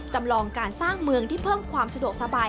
จำลองการสร้างเมืองที่เพิ่มความสะดวกสบาย